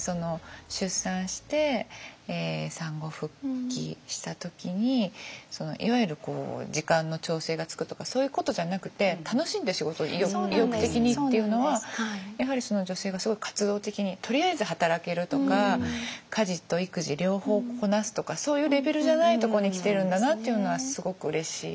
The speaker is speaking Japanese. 出産して産後復帰した時にいわゆる時間の調整がつくとかそういうことじゃなくて楽しんで仕事意欲的にっていうのはやはり女性がすごい活動的にとりあえず働けるとか家事と育児両方こなすとかそういうレベルじゃないとこに来てるんだなっていうのはすごくうれしい。